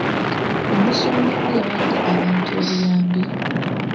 Omusumba omu yawadde abantu obuyambi.